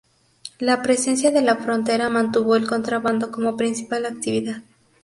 La presencia de la frontera mantuvo el contrabando como principal actividad.